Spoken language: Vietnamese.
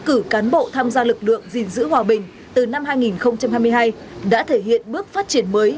cử cán bộ tham gia lực lượng gìn giữ hòa bình từ năm hai nghìn hai mươi hai đã thể hiện bước phát triển mới